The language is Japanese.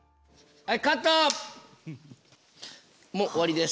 はい。